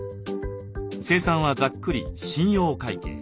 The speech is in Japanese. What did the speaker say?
精算はざっくり「信用会計」。